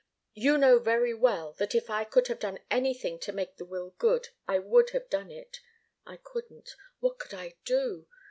You know very well that if I could have done anything to make the will good, I would have done it. I couldn't. What could I do?